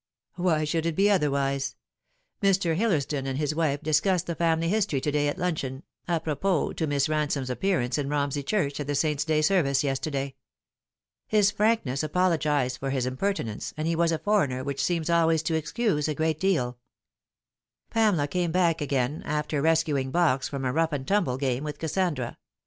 "Why should it be otherwise ? Mr. Hillersdon and his wife discussed the family history to day at luncheon, apropos to ]Wiss Ransome's appearance in Romsey Church at the Saint's Day service yesterday." His frankness apologised for his impertinence, and he was a foreigner, which seems always to excuse a great deaL Pamela came back again, after rescuing Box from a rough and tumble game with Kassandra.